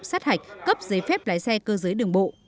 sát hạch cấp giấy phép lái xe cơ giới đường bộ